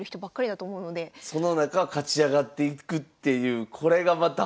その中勝ち上がっていくっていうこれがまた。